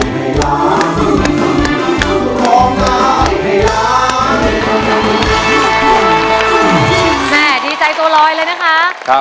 แม่ดีใจโตรอยเลยนะคะ